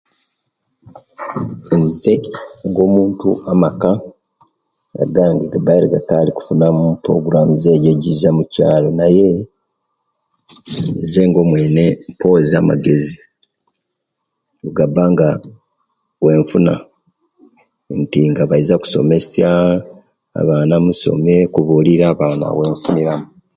Nze nga omuntu amaka gange gabaire gakali okufuna mu mupurogramuzi ejo egiiza mukyaalo neye nze nga omwene pozi amagezi gabanga wenfuna nti nga baiza kusomesya abaana musome kubulira abaana wenfunira mu.